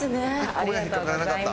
ありがとうございます。